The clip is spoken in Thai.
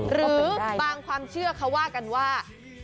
หรือบางความเชื่อเขาว่ากันว่า